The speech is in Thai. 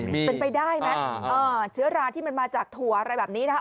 เป็นไปได้ไหมเชื้อราที่มันมาจากถั่วอะไรแบบนี้นะครับ